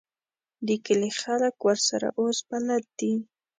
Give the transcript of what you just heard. د کلي خلک ورسره اوس بلد دي.